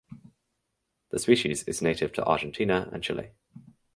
The species is native to Argentina and Chile.